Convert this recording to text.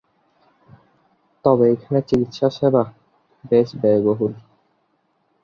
তবে এখানের চিকিৎসা সেবা বেশ ব্যয়বহুল।